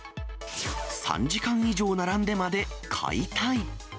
３時間以上並んでまで買いたい。